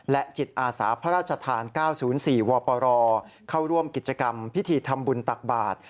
จิตอาสาพระราชทาน๙๐๔วปรเข้าร่วมกิจกรรมพิธีทำบุญตักบาท